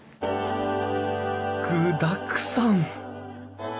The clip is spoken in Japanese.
具だくさん！